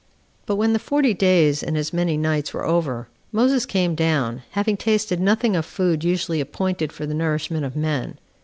8. But when the forty days, and as many nights, were over, Moses came down, having tasted nothing of food usually appointed for the nourishment of men.